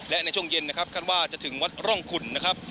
และในช่วงเย็นนะครับคาดว่าจะถึงวัดร่องขุนนะครับ